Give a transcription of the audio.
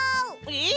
えっ！